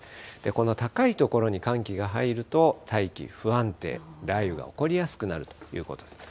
この高い所に寒気が入ると、大気、不安定、雷雨が起こりやすくなるということです。